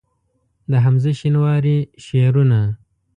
د حمزه شینواري شعرونه